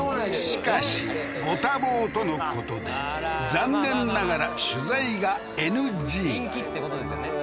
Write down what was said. しかしご多忙とのことで残念ながら取材がＮＧ人気ってことですよね